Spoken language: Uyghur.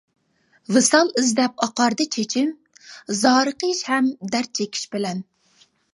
ۋىسال ئىزدەپ ئاقاردى چېچىم، زارىقىش ھەم دەرد چېكىش بىلەن.